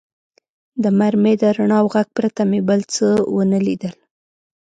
د مرمۍ د رڼا او غږ پرته مې بل څه و نه لیدل.